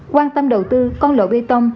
quan tâm đầu tư con lộ bê tông